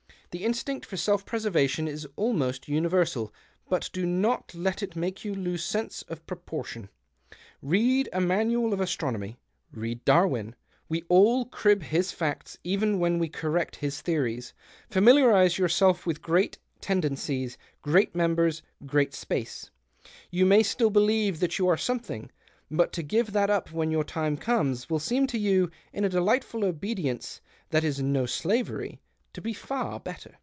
The instinct for self THE OCTAVE OF CLAUDIUS. 145 )reservation is almost universal ; but do not et it make you lose your sense of proportion, ^ead a manual of astronomy, read Darwin — ve all crib liis facts even when we correct lis theories — familiarize yourself with great tendencies, great numbers, great space. You nay still believe that you are something ; )ut to give that up when your time comes vill seem to you — in a delightful obedience hat is no slavery — to be far better."